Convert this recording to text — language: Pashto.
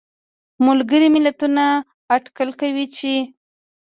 ملګري ملتونه اټکل کوي چې